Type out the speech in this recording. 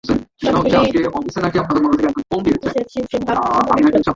সবগুলি গম্বুজের শীর্ষভাগ স্বাভাবিক পদ্ম ও কলস চূড়া দ্বারা পরিশোভিত।